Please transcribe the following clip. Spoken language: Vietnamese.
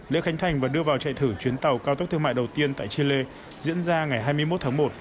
lễ khánh thành và đưa vào chạy thử chuyến tàu cao tốc thương mại đầu tiên tại chile diễn ra ngày hai mươi một tháng một